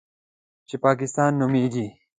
چې پاکستان نومېږي.